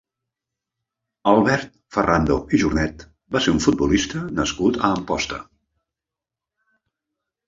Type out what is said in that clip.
Albert Ferrando i Jornet va ser un futbolista nascut a Amposta.